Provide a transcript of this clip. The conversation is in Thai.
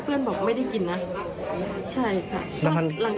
เพื่อนบอกไม่ได้กลิ่นนะใช่ค่ะ